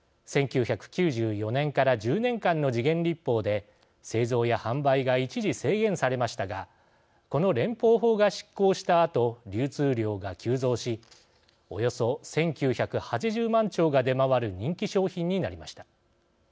１９９４年から１０年間の時限立法で製造や販売が一時制限されましたがこの連邦法が失効したあと流通量が急増しおよそ１９８０万丁が出回る人気商品になりました。